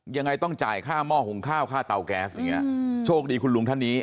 ยังไงต้องจ่ายค่าหม้อหุงข้าวค่าเตาแก๊สอย่างนี้โชคดีคุณลุงท่านนี้